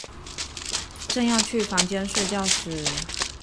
正要去房間睡覺時